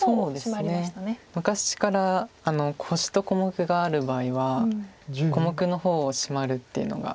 昔から星と小目がある場合は小目の方をシマるっていうのが。